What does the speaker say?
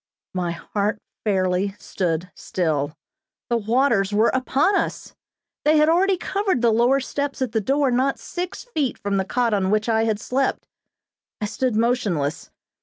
My heart fairly stood still. The waters were upon us! They had already covered the lower steps at the door not six feet from the cot on which I had slept. I stood motionless.